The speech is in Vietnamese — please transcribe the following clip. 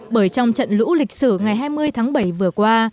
bởi trong trận lũ lịch sử ngày hai mươi tháng bảy vừa qua